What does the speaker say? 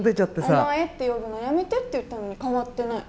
お前って呼ぶのやめてって言ったのに変わってない。